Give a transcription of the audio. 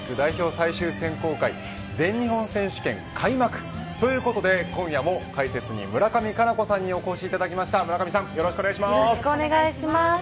最終選考会全日本選手権、開幕ということで今夜も解説に村上佳菜子さんによろしくお願いします。